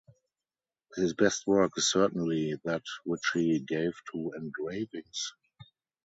His best work is certainly that which he gave to engravings.